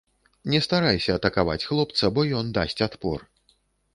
Не старайся атакаваць хлопца, бо ён дасць адпор.